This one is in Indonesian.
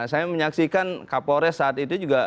saya menyaksikan kapolres saat itu juga